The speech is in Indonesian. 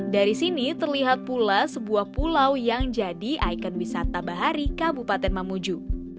dari sini terlihat pula sebuah pulau yang jadi ikon wisata bahari kabupaten mamuju